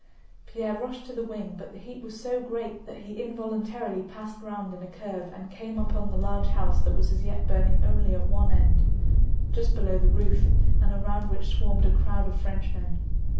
Pierre rushed to the wing, but the heat was so great that he involuntarily passed round in a curve and came upon the large house that was as yet burning only at one end, just below the roof, and around which swarmed a crowd of Frenchmen.